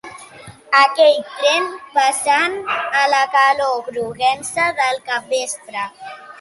Aquell tren passant a la claror groguenca del capvespre